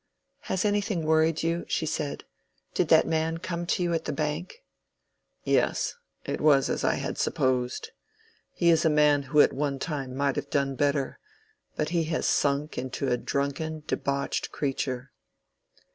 "Has anything worried you?" she said. "Did that man come to you at the Bank?" "Yes; it was as I had supposed. He is a man who at one time might have done better. But he has sunk into a drunken debauched creature."